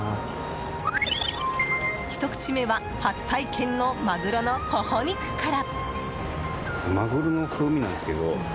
ひと口目は、初体験のマグロのホホ肉から。